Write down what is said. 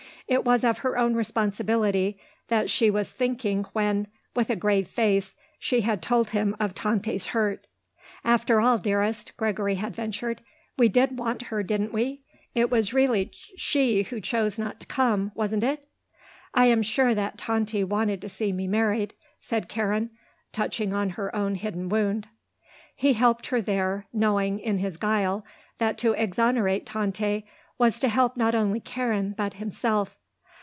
It was of her own responsibility that she was thinking when, with a grave face, she had told him of Tante's hurt. "After all, dearest," Gregory had ventured, "we did want her, didn't we? It was really she who chose not to come, wasn't it?" "I am sure that Tante wanted to see me married," said Karen, touching on her own hidden wound. He helped her there, knowing, in his guile, that to exonerate Tante was to help not only Karen but himself.